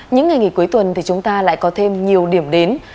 những ngày nghỉ cuối tuần thì chúng ta lại có thêm nhiều điểm đến